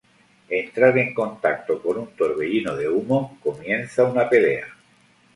Entrar en contacto con un torbellino de humo comienza una pelea.